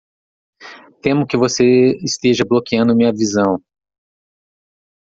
Temo que você esteja bloqueando minha visão.